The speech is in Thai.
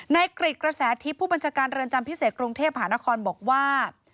กริจกระแสทิพย์ผู้บัญชาการเรือนจำพิเศษกรุงเทพหานครบอกว่า